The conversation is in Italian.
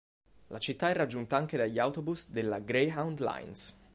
La città è raggiunta anche dagli autobus della Greyhound Lines.